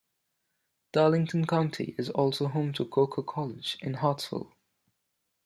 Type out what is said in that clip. Darlington County is also home to Coker College in Hartsville.